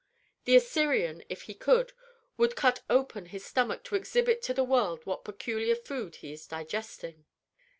The Assyrian, if he could, would cut open his stomach to exhibit to the world what peculiar foods he is digesting."